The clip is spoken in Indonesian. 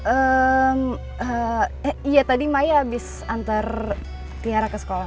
ehm eh iya tadi maya abis antar tiara ke sekolah